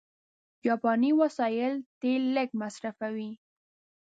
جاپاني وسایل تېل لږ مصرفوي.